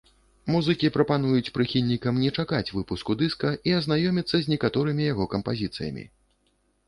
Музыкі прапануюць прыхільнікам не чакаць выпуску дыска і азнаёміцца з некаторымі яго кампазіцыямі.